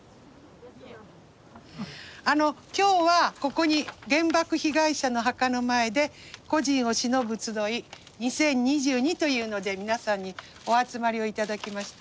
あの今日はここに原爆被害者の墓の前で故人を偲ぶつどい２０２２というので皆さんにお集まりを頂きました。